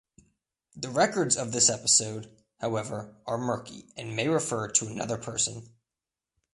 The records of this episode, however, are murky and may refer to another person.